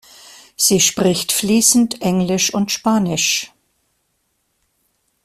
Sie spricht fließend Englisch und Spanisch.